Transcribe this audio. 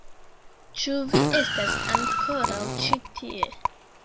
Ĉu vi estas ankoraŭ ĉi tie?